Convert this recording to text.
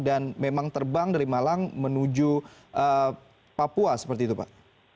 dan memang terbang dari malang menuju papua seperti itu pak